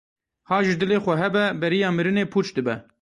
Hay ji dilê xwe hebe, beriya mirinê pûç dibe.